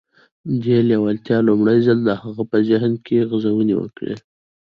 دې لېوالتیا لومړی ځل د هغه په ذهن کې غځونې وکړې.